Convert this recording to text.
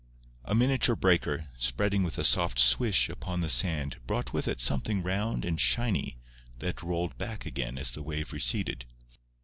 A miniature breaker, spreading with a soft "swish" upon the sand brought with it something round and shiny that rolled back again as the wave receded.